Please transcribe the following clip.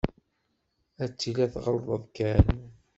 Ad tiliḍ tɣelṭeḍ kan.